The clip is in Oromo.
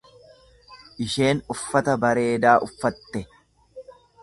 Isheen uffata bareedaa uffatte.